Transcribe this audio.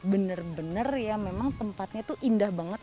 bener bener ya memang tempatnya tuh indah banget